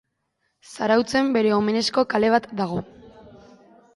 Zarautzen bere omenezko kale bat dago.